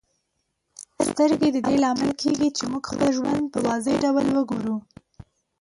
سترګې د دې لامل کیږي چې موږ خپل ژوند په واضح ډول وګورو.